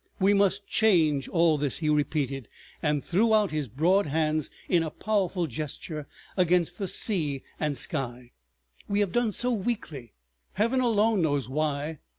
"We must change all this," he repeated, and threw out his broad hands in a powerful gesture against the sea and sky. "We have done so weakly—Heaven alone knows why!"